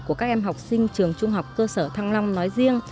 của các em học sinh trường trung học cơ sở thăng long nói riêng